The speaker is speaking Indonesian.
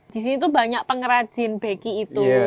di situ banyak pengrajin beki itu